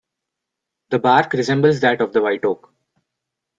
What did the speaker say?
The bark resembles that of the white oak.